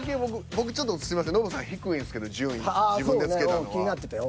僕ちょっとすいませんノブさん低いんですけど順位自分でつけたのは。